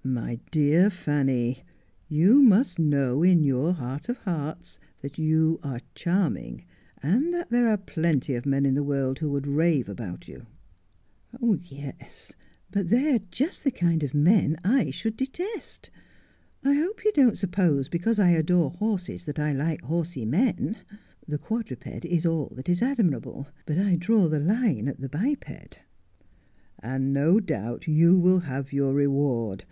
' My dear Fanny, you must know, in your heart of hearts, that you are charming, and that there are plenty of men in the world who would rave about you !'' Yes, but they are just the kind of men I should detest. I hope you don't suppose because I adore horses that I like horsey men. The quadruped is all that is admirable ; but I draw the line at the biped '' And no doubt you will have your reward.